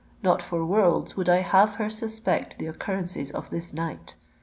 Not for worlds would I have her suspect the occurrences of this night!